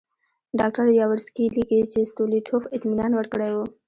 ډاکټر یاورسکي لیکي چې ستولیټوف اطمینان ورکړی وو.